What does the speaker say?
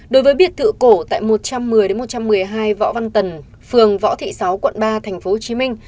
đối với biệt thự cổ tại một trăm một mươi một trăm một mươi hai võ văn tần phường võ thị sáu quận ba tp hcm